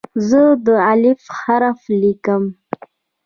زه د "الف" حرف لیکم.